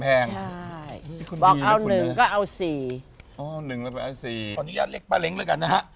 บอกเอา๑ก็เอา๔๑ขออนุญาตเรียกป้าเล้งแล้วกันนะฮะ